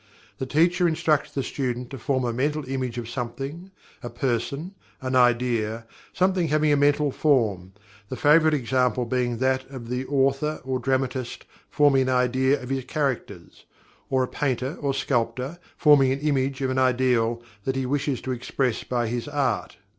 The Teacher instructs the student to form a Mental Image of something, a person, an idea, something having a mental form, the favorite example being that of the author or dramatist forming an idea of his characters; or a painter or sculptor forming an image of an ideal that he wishes to express by his art.